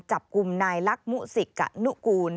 จับกลุ่มนายลักษ์มุสิกะนุกูล